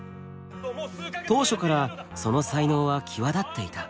当初からその才能は際立っていた。